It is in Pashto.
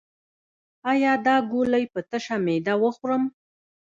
ایا دا ګولۍ په تشه معده وخورم؟